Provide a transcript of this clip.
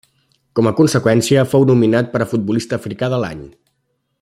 Com a conseqüència, fou nominat per a Futbolista africà de l'any.